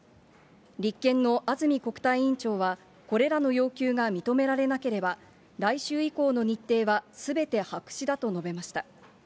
立憲の安住国対委員長は、これらの要求が認められなければ、来週以降の日程はすべて白紙だと述べました。